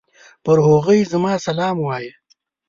پر هغوی زما سلام وايه!